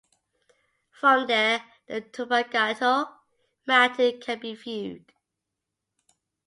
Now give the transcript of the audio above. From there, the Tupungato mountain can be viewed.